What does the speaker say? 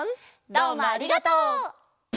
どうもありがとう！